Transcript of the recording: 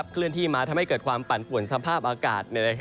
เคลื่อนที่มาทำให้เกิดความปั่นป่วนสภาพอากาศ